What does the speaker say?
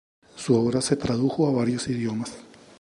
Su obra se tradujo a varios idiomas.